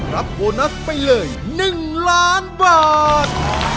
รับโบนัสไปเลย๑๐๐๐๐๐๐บาท